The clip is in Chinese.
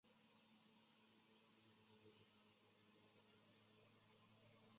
奈特森是位于美国加利福尼亚州康特拉科斯塔县的一个人口普查指定地区。